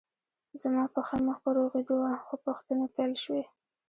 زما پښه مخ په روغېدو وه خو پوښتنې پیل شوې